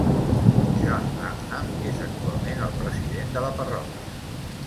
John Lanham es actualment el president de la parròquia.